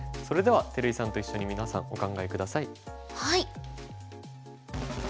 それでは照井さんと一緒に皆さんお考え下さい。